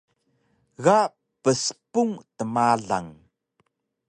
Ga pspung tmalang